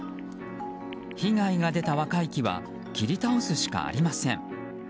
被害が出た若い木は切り倒すしかありません。